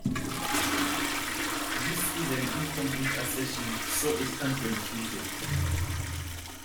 This is an incomplete assertion, so it can't be refuted.